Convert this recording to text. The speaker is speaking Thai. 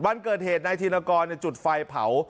วันเกิดเหตุนายธีรกรจุดไฟเผา